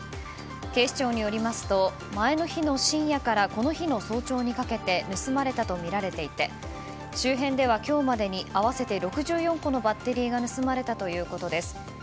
警視庁によりますと前の日の深夜からこの日の早朝にかけて盗まれたとみられていて周辺では今日までに合わせて６４個のバッテリーが盗まれたということです。